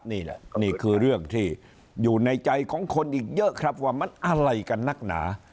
นี่คือเรื่องที่อยู่ในใจของคนอีกเยอะครับว่ามันอะไรกันนักหนา